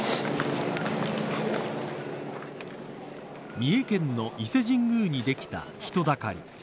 三重県の伊勢神宮にできた人だかり。